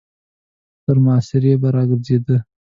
تر محاصرې به را ګرځېده.